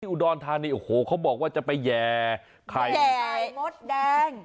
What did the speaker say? ที่อุดรทานีโอ้โหเขาบอกว่าจะไปแย่ไข่มดแดง